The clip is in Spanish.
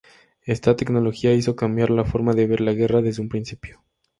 Esta tecnología hizo cambiar la forma de ver la guerra desde un principio.